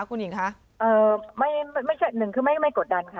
คุณหญิงคะไม่ใช่หนึ่งคือไม่กดดันค่ะ